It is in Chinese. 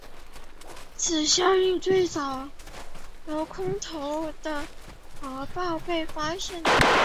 此效应最早是由空投的核爆被发现的。